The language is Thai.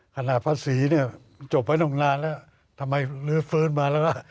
ขณะภาษีเนี่ยจบไว้ตรงนานแล้วทำไมฟื้นมาแล้วล่ะ